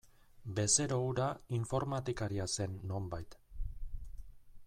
Bezero hura informatikaria zen nonbait.